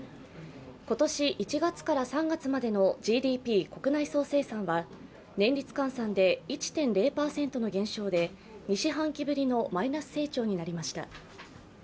今年１月から３月までのＧＤＰ＝国内総生産は、年率換算で１．０％の減少で２四半期ぶりのマイナス成長になりました。